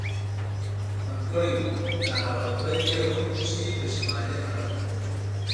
بند کړی و، له هغه بل یې هم چې په شمالي اړخ کې و.